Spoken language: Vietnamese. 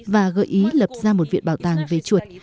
và gợi ý lập ra một viện bảo tàng về chuột